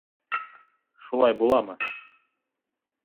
Шулай буламы?